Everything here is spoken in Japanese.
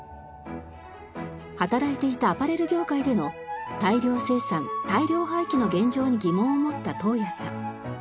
働いていたアパレル業界での大量生産大量廃棄の現状に疑問を持った東矢さん。